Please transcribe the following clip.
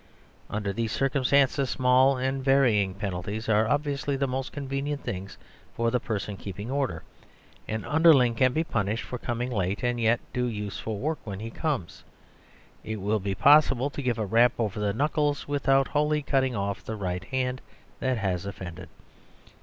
Under these circumstances small and varying penalties are obviously the most convenient things for the person keeping order; an underling can be punished for coming late, and yet do useful work when he comes. It will be possible to give a rap over the knuckles without wholly cutting off the right hand that has offended.